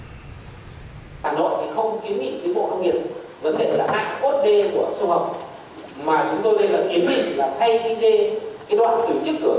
hà nội thì không kiến nghị với bộ nông nghiệp vấn đề là hạ cốt đê của sông hồng